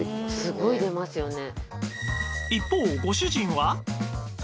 すごい出ますよね。